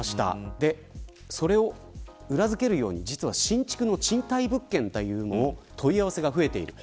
それを裏付けるように新築の賃貸物件というのにも問い合わせが増えています。